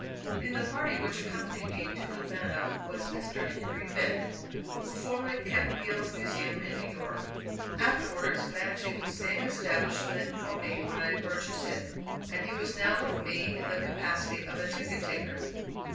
In the party which accompanied me to Havana, was Mr. Henry Bennett, who formerly kept Peale's Museum in New York, afterwards managing the same establishment for me when I purchased it, and he was now with me in the capacity of a ticket taker.